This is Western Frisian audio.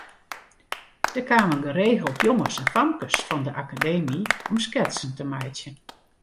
Der kamen geregeld jonges en famkes fan de Akademy om sketsen te meitsjen.